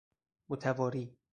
متواری